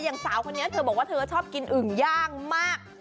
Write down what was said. สาวคนนี้เธอบอกว่าเธอชอบกินอึ่งย่างมาก